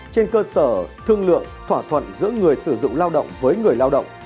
trên cơ sở thương lượng thỏa thuận giữa người sử dụng lao động với người lao động